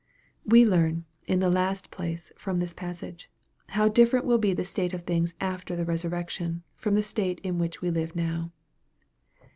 We learn, in the last place, from this passage, how differ ent will be the state of things after the resurrection, from the state in which we live now.